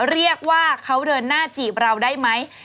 เรียกว่าเขาเดินหน้าจีบเราได้ไหม